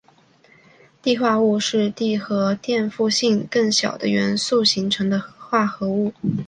锑化物是锑和电负性更小的元素形成的化合物。